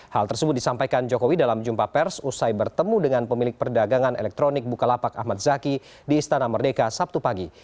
hal tersebut disampaikan jokowi dalam jumpa pers usai bertemu dengan pemilik perdagangan elektronik bukalapak ahmad zaki di istana merdeka sabtu pagi